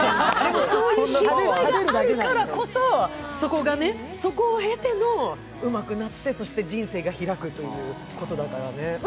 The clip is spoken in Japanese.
そういう失敗があるからこそ、そこを経てうまくなって人生が開くということだからね。